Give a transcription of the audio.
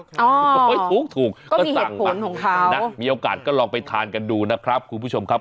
อ๋อก็มีเหตุผลของเขานะมีโอกาสก็ลองไปทานกันดูนะครับคุณผู้ชมครับ